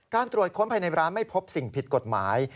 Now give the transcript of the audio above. ตรวจค้นภายในร้านไม่พบสิ่งผิดกฎหมาย